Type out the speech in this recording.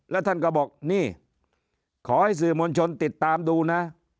แล้วท่านก็บอกนี่ขอให้สื่อมวลชนติดตามดูนะ